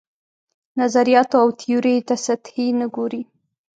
نظریاتو او تیوریو ته سطحي نه ګوري.